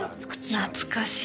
懐かしい。